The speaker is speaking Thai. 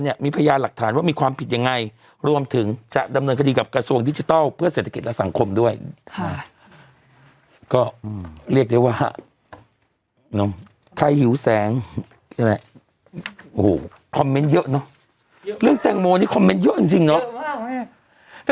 คอมเมนต์เยอะเนาะเรื่องแต่งโมนี้คอมเมนต์เยอะจริงเนาะแต่